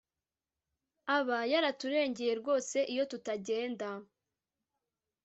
aba yaraturengeye rwose iyo tutagenda